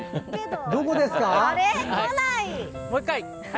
どこですか？